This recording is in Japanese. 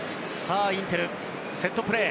インテルのセットプレー。